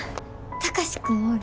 貴司君おる？